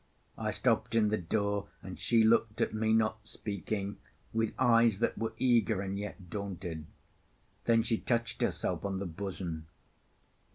I stopped in the door, and she looked at me, not speaking, with eyes that were eager and yet daunted; then she touched herself on the bosom.